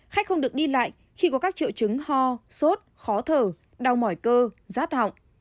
khách không được đi lại khi có các triệu chứng ho sốt khó thở đau mỏi cơ rát họng